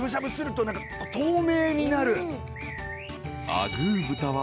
［アグー豚は］